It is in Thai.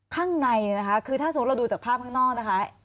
ข้างในเนี่ยนะคะคือถ้าสมมุติเราดูจากภาพข้างนอกนะคะ